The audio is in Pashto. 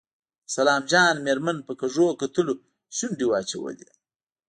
د سلام جان مېرمن په کږو کتلو شونډې واچولې.